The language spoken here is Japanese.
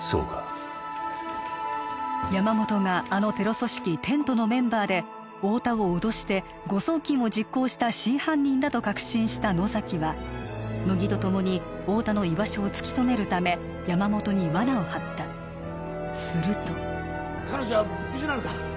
山本があのテロ組織テントのメンバーで太田を脅して誤送金を実行した真犯人だと確信した野崎は乃木とともに太田の居場所を突き止めるため山本にわなを張ったすると彼女は無事なのか？